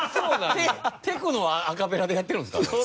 テクノをアカペラでやってるんですか？